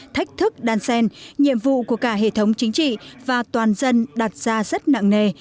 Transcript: thách thức đan xen nhiệm vụ của cả hệ thống chính trị và toàn dân đặt ra rất nặng nề